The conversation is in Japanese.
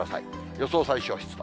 予想最小湿度。